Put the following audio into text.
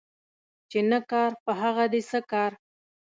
چي نه کار ، په هغه دي څه کار